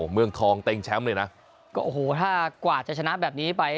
เมืองทองเต็งแชมป์เลยนะก็โอ้โหถ้ากว่าจะชนะแบบนี้ไป